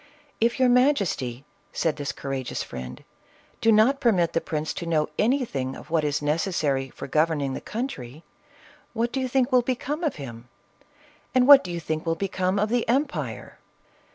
" If your ma jesty," said this courageous friend, " do not permit the prince to know anything of what is necessary for gov erning the country, what do you think will become of him ? and what do you think will become of the em pire?"